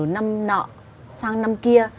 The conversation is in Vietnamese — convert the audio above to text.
năm nọ sang năm kia